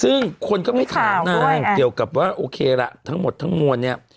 ซึ่งคนก็ไม่ถามนางเกี่ยวกับว่าโอเคละทั้งหมดทั้งมวลเนี่ย